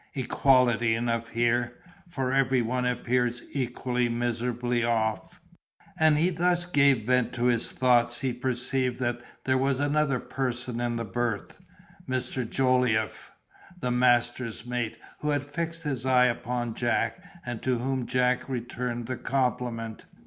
Equality enough here! for every one appears equally miserably off." As he thus gave vent to his thoughts he perceived that there was another person in the berth—Mr. Jolliffe, the master's mate, who had fixed his eye upon Jack, and to whom Jack returned the compliment.